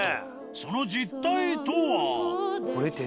その実態とは？